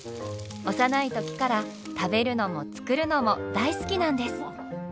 幼い時から食べるのも作るのも大好きなんです。